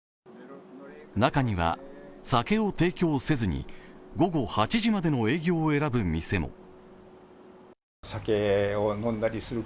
中には、酒を提供せずに午後８時までの営業を選ぶ店も。